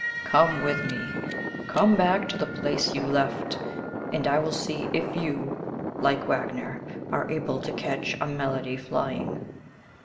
Come with me come back to the place you left, and I will see if you, like Wagner, are able to catch a melody flying."